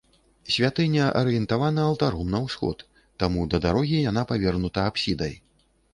Святыня арыентавана алтаром на ўсход, таму да дарогі яна павернута апсідай.